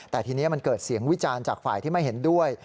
แต่ทีนี้มันเกิดเสียงวิจารณ์จากฝ่ายที่ไม่เห็นด้วย